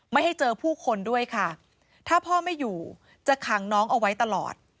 ไม่ให้เจอผู้คนด้วยค่ะถ้าพ่อไม่อยู่จะขังน้องเอาไว้ตลอด